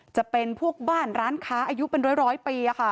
จะเป็นพวกบ้านร้านค้าอายุเป็นร้อยปี